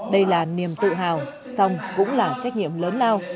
đây là niềm tự hào song cũng là trách nhiệm lớn lao